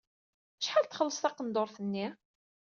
Acḥal txellseḍ taqendurt-nni?